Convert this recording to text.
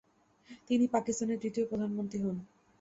তিনি পাকিস্তানের দ্বিতীয় প্রধানমন্ত্রী হন।